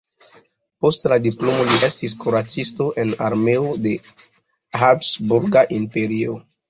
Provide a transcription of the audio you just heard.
Post la diplomo li estis kuracisto en armeo de Habsburga Imperio.